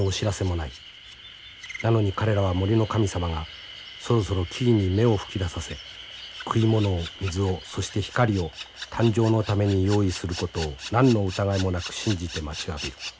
なのに彼らは森の神様がそろそろ木々に芽を吹き出させ食い物を水をそして光を誕生のために用意することを何の疑いもなく信じて待ちわびる。